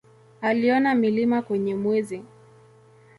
Aliona milima kwenye Mwezi.